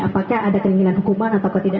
apakah ada keinginan hukuman atau tidak